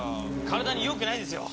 体によくないですよ。